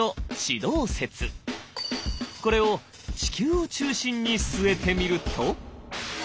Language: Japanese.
これを地球を中心に据えてみると。